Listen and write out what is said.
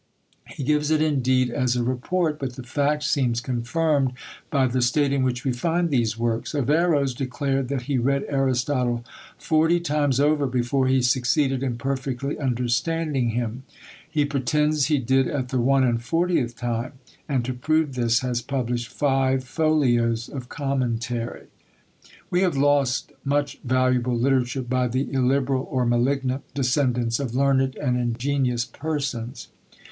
He gives it indeed as a report; but the fact seems confirmed by the state in which we find these works: Averroes declared that he read Aristotle forty times over before he succeeded in perfectly understanding him; he pretends he did at the one and fortieth time! And to prove this, has published five folios of commentary! We have lost much valuable literature by the illiberal or malignant descendants of learned and ingenious persons.